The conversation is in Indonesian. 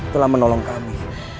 telah menolong kami